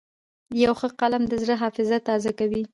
یو ښه فلم د زړه حافظه تازه کوي.